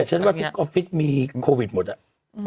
ฉันว่าทุกออฟฟิศมีโควิดหมดอ่ะ